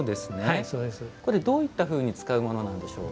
はいそうです。これどういったふうに使うものなんでしょうか。